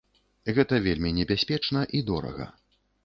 Гэта вельмі небяспечна і дорага.